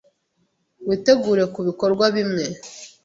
Witegure kubikorwa bimwe.